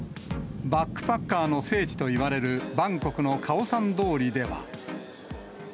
バックパッカーの聖地といわれる、バンコクのカオサン通りでは。